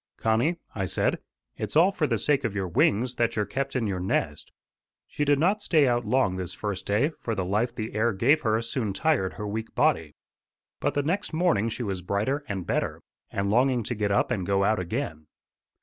"Connie," I said, "it's all for the sake of your wings that you're kept in your nest." She did not stay out long this first day, for the life the air gave her soon tired her weak body. But the next morning she was brighter and better, and longing to get up and go out again.